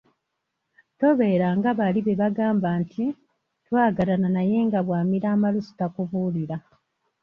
Tobeera nga bali be bagamba nti, “Twagalana naye nga bwamira amalusu takubuulira”.